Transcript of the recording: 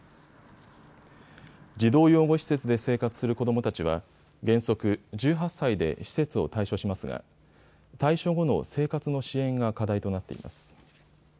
児童養護施設で生活する子どもたちは原則１８歳で施設を退所しますが退所後の生活の支援が課題となっています。